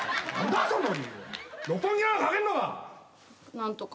何とか。